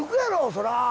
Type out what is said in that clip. そりゃ。